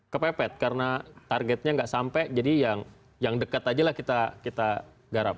kepepet karena targetnya gak sampai jadi yang dekat ajalah kita garam